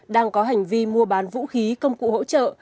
đang có hành vi mua bán vũ khí công cụ hỗ trợ